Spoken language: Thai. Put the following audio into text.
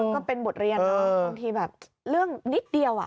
ก็เป็นบทเรียนเนอะบางทีแบบเรื่องนิดเดียว